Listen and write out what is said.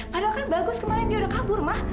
padahal kan bagus kemarin dia udah kabur mah